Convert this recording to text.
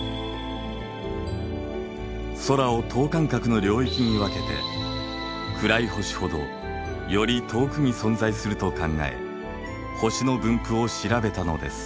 空を等間隔の領域に分けて暗い星ほどより遠くに存在すると考え星の分布を調べたのです。